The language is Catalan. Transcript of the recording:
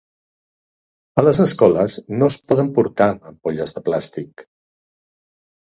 A les escoles no es poden portar ampolles de plàstic.